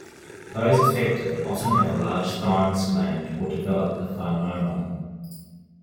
Those affected often have a large thymus gland or develop a thymoma.